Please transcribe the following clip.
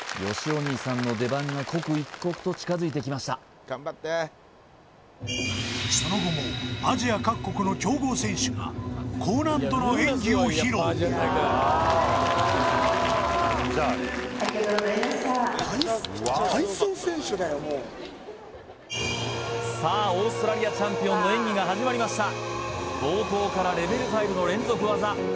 お兄さんの出番が刻一刻と近づいてきましたその後もアジア各国の強豪選手が高難度の演技を披露さあオーストラリアチャンピオンの演技が始まりました冒頭からレベル５の連続技